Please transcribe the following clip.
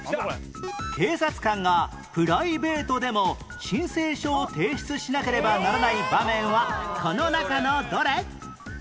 警察官がプライベートでも申請書を提出しなければならない場面はこの中のどれ？